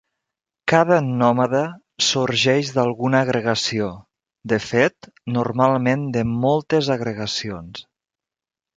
Cada mònada sorgeix d'alguna agregació, de fet normalment de moltes agregacions.